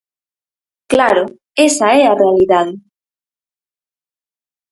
Claro, esa é a realidade.